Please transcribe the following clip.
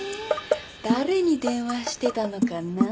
誰に電話してたのかな？